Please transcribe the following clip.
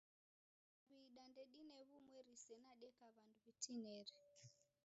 Daw'ida ndedine w'umweri sena deka w'andu w'atineri.